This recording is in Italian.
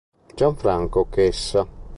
Gianfranco Chessa